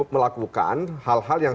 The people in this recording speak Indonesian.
melakukan hal hal yang